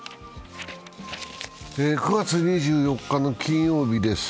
９月２４日の金曜日です。